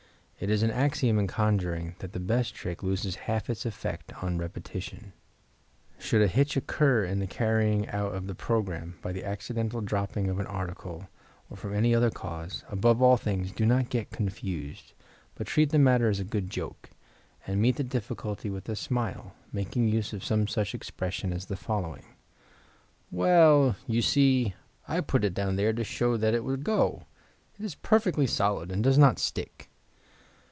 It is an axiom in conjuring that the best trick loses half its effect on repetition. Should a hitch occur in the carrying out of the programme by the accidental dropping of an article, or from any other cause, above all things do not get confused, but treat the matter as a good joke, and meet the difficulty with a smile, making use of some such expression as the following: "Well, you see I put it down there to show that it would go. It is perfectly solid and does not stick."